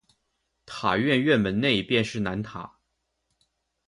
塔院院门内便是南塔。